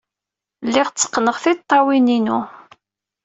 Lliɣ tteqqneɣ tiṭṭawin-inu.